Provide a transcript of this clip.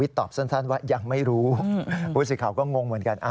ท่านว่ายังไม่รู้ผู้สิทธิ์ข่าวก็งงเหมือนกัน